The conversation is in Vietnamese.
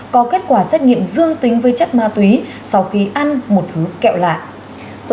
có kết quả xét nghiệm dương tính với chất ma túy sau khi ăn một thứ kẹo lạ